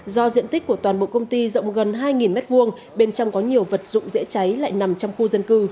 do diện tích của toàn bộ công ty rộng gần hai m hai bên trong có nhiều vật dụng dễ cháy lại nằm trong khu dân cư